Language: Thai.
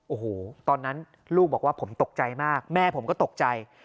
โอ้โหตอนนั้นลูกบอกว่าผมตกใจมากแม่ผมก็ตกใจ